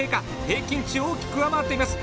平均値を大きく上回っています。